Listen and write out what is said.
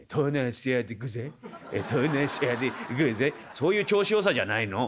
「そういう調子よさじゃないの。